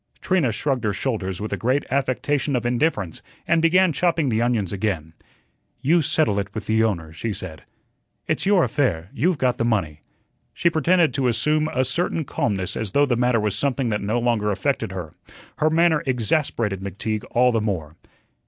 Trina shrugged her shoulders with a great affectation of indifference and began chopping the onions again. "You settle it with the owner," she said. "It's your affair; you've got the money." She pretended to assume a certain calmness as though the matter was something that no longer affected her. Her manner exasperated McTeague all the more.